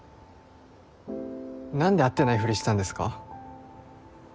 何で会ってないフリしたんですか？